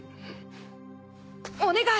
お願い